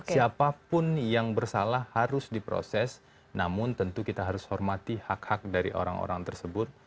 siapapun yang bersalah harus diproses namun tentu kita harus hormati hak hak dari orang orang tersebut